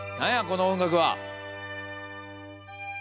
この音楽は。